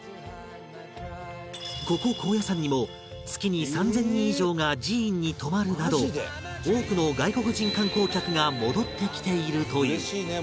ここ高野山にも月に３０００人以上が寺院に泊まるなど多くの外国人観光客が戻ってきているという